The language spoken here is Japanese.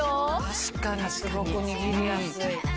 確かにすごく握りやすい。